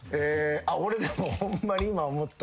俺でもホンマに今思った。